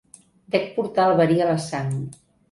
Dec portar el verí a la sang.